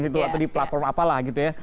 gitu atau di platform apalah gitu ya